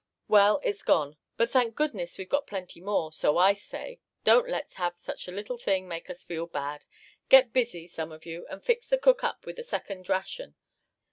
Well, it's gone; but thank goodness we've got plenty more; so I say, don't let's have such a little thing make us feel bad. Get busy, some of you, and fix the cook up with a second ration.